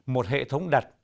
một hệ thống đặt